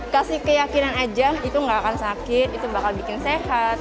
kasih keyakinan aja itu nggak akan sakit itu bakal bikin sehat